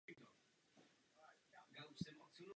Je to takhle jednoduché; jen je třeba to uplatňovat.